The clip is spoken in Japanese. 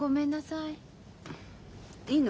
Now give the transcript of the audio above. いいの。